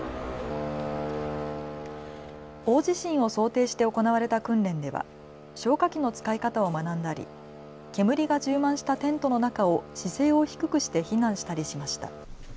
大地震を想定して行われた訓練では消火器の使い方を学んだり煙が充満したテントの中を姿勢を低くして避難したりしました。